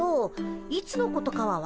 いつのことかは分かる？